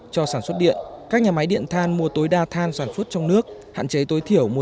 cho sản xuất điện các nhà máy điện than mua tối đa than sản xuất trong nước hạn chế tối thiểu mua